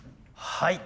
はい。